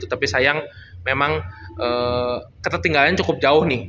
tapi sayang memang ketertinggalan cukup jauh nih